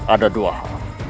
ada dua hal